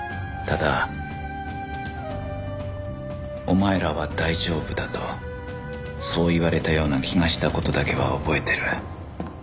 ただ「お前らは大丈夫だ」とそう言われたような気がした事だけは覚えている